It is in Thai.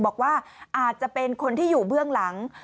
บอกว่าอาจจะเป็นคนที่อยู่เบื้องหลัง